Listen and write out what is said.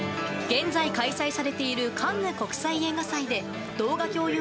現在開催されているカンヌ国際映画祭で動画共有